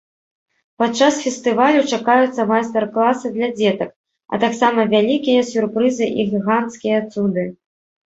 Падчас фестывалю чакаюцца майстар-класы для дзетак, а таксама вялікія сюрпрызы і гіганцкія цуды.